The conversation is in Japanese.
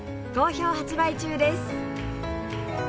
好評発売中です